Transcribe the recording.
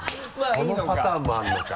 そのパターンもあるのか。